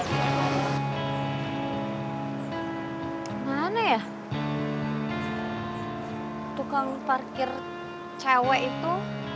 tukang parkir cewek itu